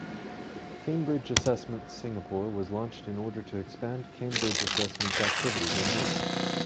Cambridge Assessment Singapore was launched in order to expand Cambridge Assessment's activities in Asia.